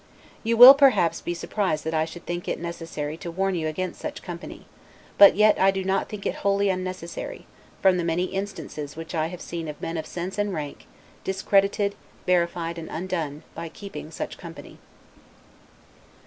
You will, perhaps, be surprised that I should think it necessary to warn you against such company, but yet I do not think it wholly, unnecessary, from the many instances which I have seen of men of sense and rank, discredited, verified, and undone, by keeping such company.